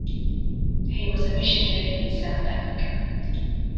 He was a missionary in South Africa.